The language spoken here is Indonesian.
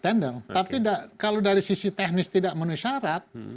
tender tapi kalau dari sisi teknis tidak menuhi syarat